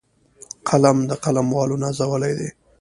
قلم د قلموالو نازولی دی